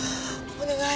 お願い！